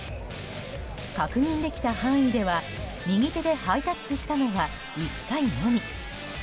確認できた範囲では、右手でハイタッチをしたのが１回のみ。